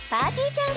ちゃん